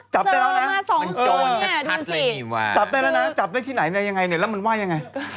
เจอมา๒คนเนี่ยดูสิจับได้แล้วนะจับได้ที่ไหนยังไงแล้วมันไหว้ยังไง